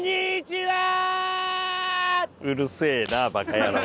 うるせえなバカ野郎。